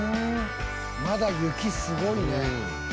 まだ雪すごいね。